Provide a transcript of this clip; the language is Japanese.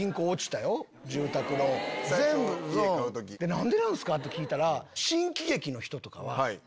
何でなんすか？って聞いたら。